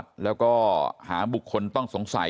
ส่วนเรื่องทางคดีนะครับตำรวจก็มุ่งไปที่เรื่องการฆาตฉิงทรัพย์นะครับ